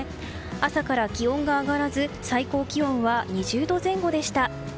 朝から気温が上がらず最高気温は２０度前後でした。